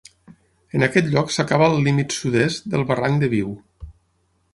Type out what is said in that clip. En aquest lloc s'acaba el límit sud-est del barranc de Viu.